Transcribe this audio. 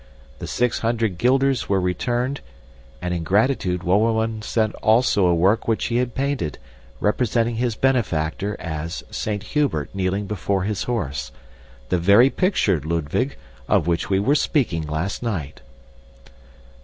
The six hundred guilders were returned, and in gratitude Wouwerman sent also a work which he had painted, representing his benefactor as Saint Hubert kneeling before his horse the very picture, Ludwig, of which we were speaking last night."